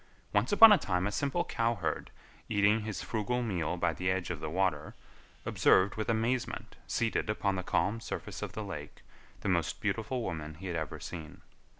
Once upon a time a simple cowherd, eating his frugal meal by the edge of the water, observed with amazement, seated upon the calm surface of the lake, the most beautiful woman he had ever seen.